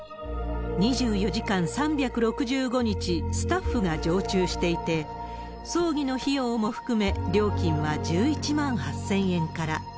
２４時間３６５日、スタッフが常駐していて、葬儀の費用も含め、料金は１１万８０００円から。